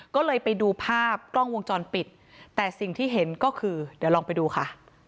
ก็เลยไปดูภาพกล้องวงจรปิดแต่สิ่งที่เห็นก็คือเดี๋ยวลองไปดูค่ะ